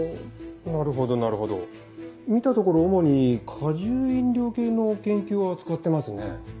なるほどなるほど見たところ主に果汁飲料系の研究を扱ってますね。